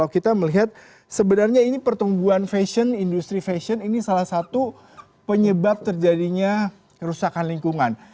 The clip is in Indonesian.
kita melihat sebenarnya ini pertumbuhan fashion industri fashion ini salah satu penyebab terjadinya kerusakan lingkungan